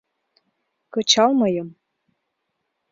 Кычал мыйым...